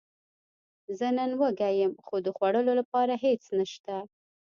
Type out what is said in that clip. زه نن وږی یم، خو د خوړلو لپاره هیڅ نشته